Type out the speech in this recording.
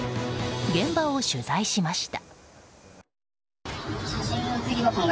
現場を取材しました。